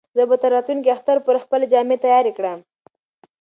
زه به تر راتلونکي اختر پورې خپلې جامې تیارې کړم.